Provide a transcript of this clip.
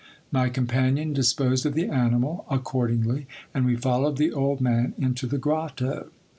My companion disposed of the animal accordingly, and we followed the old man into the grotto.